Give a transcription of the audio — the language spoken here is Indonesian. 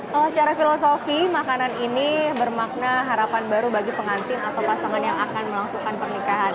kalau secara filosofi makanan ini bermakna harapan baru bagi pengantin atau pasangan yang akan melangsungkan pernikahan